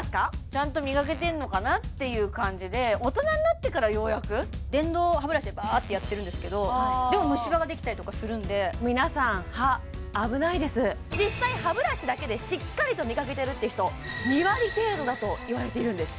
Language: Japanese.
ちゃんと磨けてんのかな？っていう感じで大人になってからようやく電動歯ブラシでバーってやってるんですけどでも虫歯ができたりとかするんで皆さん実際歯ブラシだけでしっかりと磨けてるって人２割程度だといわれているんです